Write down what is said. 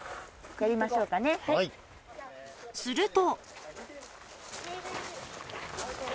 ［すると］